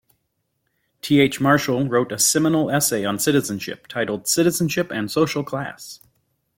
T. H. Marshall wrote a seminal essay on citizenship, titled "Citizenship and Social Class".